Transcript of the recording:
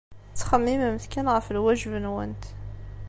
Ttxemmimemt kan ɣef lwajeb-nwent.